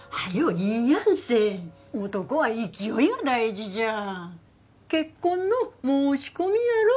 言いやんせ男は勢いが大事じゃ結婚の申し込みやろ？